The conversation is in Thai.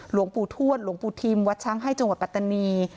หลวงปู่ทวดหลวงปู่ทิมวัดช้างให้จังหวัดปัตตานี